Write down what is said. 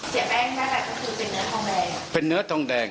เสียแป้งอะไรคือเป็นเนื้อทองแดง